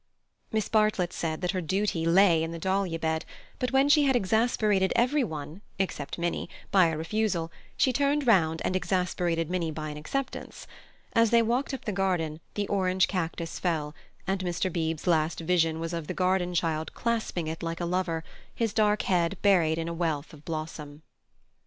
Miss Bartlett said that her duty lay in the dahlia bed, but when she had exasperated everyone, except Minnie, by a refusal, she turned round and exasperated Minnie by an acceptance. As they walked up the garden, the orange cactus fell, and Mr. Beebe's last vision was of the garden child clasping it like a lover, his dark head buried in a wealth of blossom.